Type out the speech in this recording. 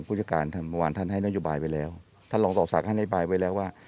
ผู้จัดการท่านบางวันท่านให้นโยบายไว้แล้วท่านลองตอบศักดิ์ให้นโยบายไว้แล้วว่า